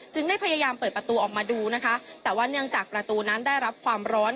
ได้พยายามเปิดประตูออกมาดูนะคะแต่ว่าเนื่องจากประตูนั้นได้รับความร้อน